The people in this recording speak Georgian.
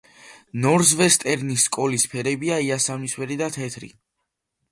ნორზვესტერნის სკოლის ფერებია იასამნისფერი და თეთრი.